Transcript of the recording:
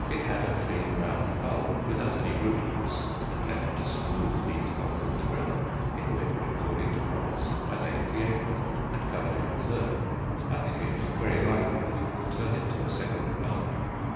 It had a clean round bulb without any rootlets and left a smooth neat hole in the ground, in which, according to promise, I laid the acorn, and covered it in with earth. I think it very likely that it will turn into a second plant.